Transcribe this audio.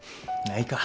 ないか。